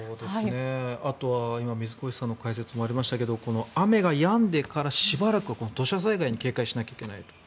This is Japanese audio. あとは水越さんの解説にもありましたが雨がやんでしばらくは土砂災害に警戒しなければいけないと。